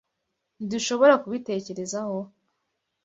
Ntidushobora kubitekerezaho?